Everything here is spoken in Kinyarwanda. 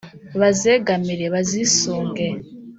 bazegamire: bazisunge